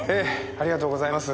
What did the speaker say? ありがとうございます。